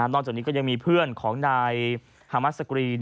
จากนี้ก็ยังมีเพื่อนของนายฮามัสสกรี